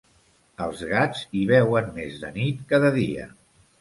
Els gats hi veuen més de nit que de dia.